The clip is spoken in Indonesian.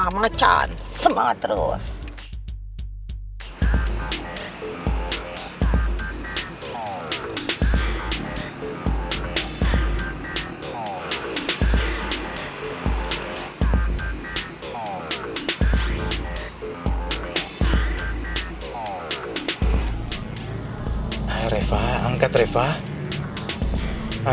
sekarang lu balik langsung aja